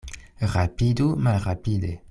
Rapidu malrapide.